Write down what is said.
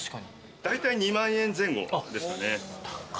だいたい２万円前後ですかね。